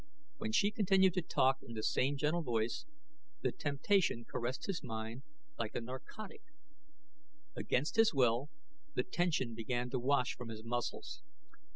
When she continued to talk in the same gentle voice, the temptation caressed his mind like a narcotic; against his will, the tension began to wash from his muscles.